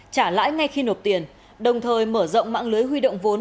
trả lãi ngay khi nộp tiền đồng thời mở rộng mạng lưới huy động vốn